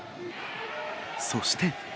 そして。